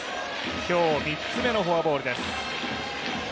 今日３つ目のフォアボールです。